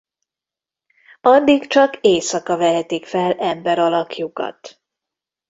Addig csak éjszaka vehetik fel emberalakjukat.